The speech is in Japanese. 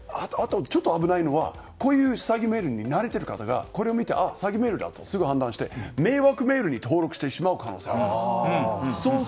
あと、ちょっと危ないのはこういう詐欺メールに慣れている方がこれを見て詐欺メールだとすぐ判断して迷惑メールに登録してしまう可能性があります。